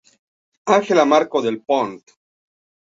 Ángela Marcó del Pont.